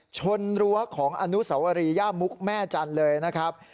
รั้วของอนุสวรีย่ามุกแม่จันทร์เลยนะครับ